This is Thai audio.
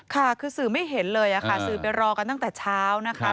ค่ะคือสื่อไม่เห็นเลยค่ะสื่อไปรอกันตั้งแต่เช้านะคะ